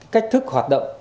cách thức hoạt động